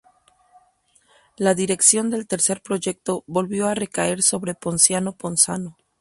La dirección del tercer proyecto volvió a recaer sobre Ponciano Ponzano.